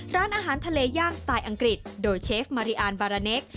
ร้านอาหารทะเลย่างสไตล์อังกฤษโดยเชฟมาริอันบาราเนค